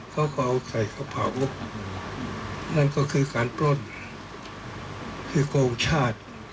เขาก็เอาไข่เขาเผานั่นก็คือการปล้นคือโกงชาติ